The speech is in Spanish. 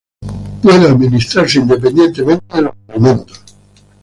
Puede administrarse independientemente de los alimentos.